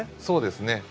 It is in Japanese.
そうですね。